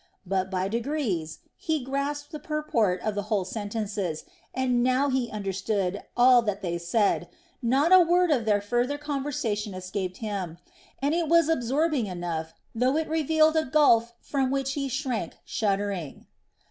But, by degrees, he grasped the purport of whole sentences, and now he understood all that they said, not a word of their further conversation escaped him, and it was absorbing enough, though it revealed a gulf from which he shrank shuddering.